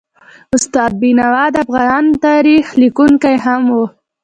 استاد بینوا د افغان تاریخ لیکونکی هم و.